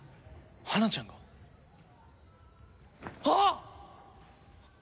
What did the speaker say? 花ちゃんが！？あっ！